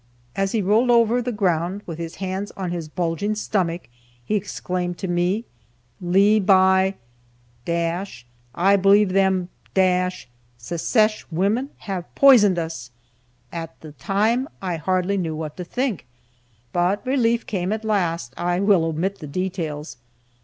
As he rolled over the ground with his hands on his bulging stomach he exclaimed to me, "Lee, by , I believe them Secesh wimmen have pizened us!" At the time I hardly knew what to think, but relief came at last. I will omit the details.